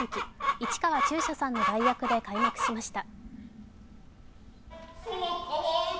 市川中車さんの代役で開幕しました。